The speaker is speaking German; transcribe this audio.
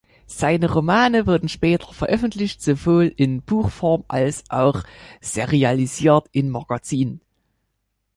Seine Romane wurden später veröffentlicht, sowohl in Buchform als auch serialisiert in Magazinen.